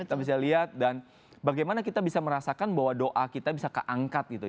kita bisa lihat dan bagaimana kita bisa merasakan bahwa doa kita bisa keangkat gitu